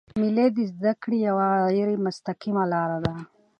مېلې د زدهکړي یوه غیري مستقیمه لاره ده.